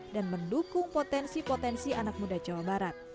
dan mendukung potensi potensi anak muda jawa barat